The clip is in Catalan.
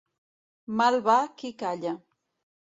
Mal va qui calla.